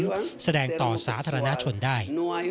สามารถแสดงต่อสาธารณาชนได้